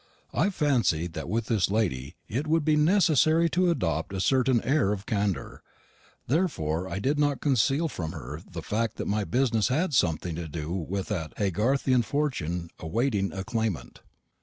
I fancied that with this lady it would be necessary to adopt a certain air of candour. I therefore did not conceal from her the fact that my business had something to do with that Haygarthian fortune awaiting a claimant.